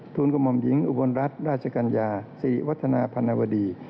ทุนกมมหญิงอุบลรัฐราชกัญญาสิริวัฒนาพันวดี